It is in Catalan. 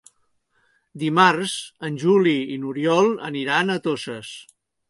Dimarts en Juli i n'Oriol aniran a Toses.